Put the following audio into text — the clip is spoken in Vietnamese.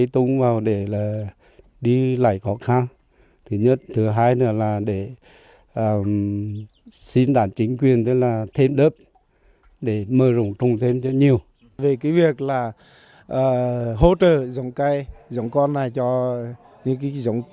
từ một trăm năm mươi đến một trăm bảy mươi triệu đồng một ngày